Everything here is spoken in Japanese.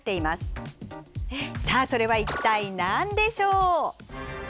さあそれは一体なんでしょう？